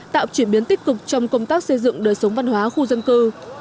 tạo chuyển biến tích cực trong công tác xây dựng đời sống văn hóa khu dân cư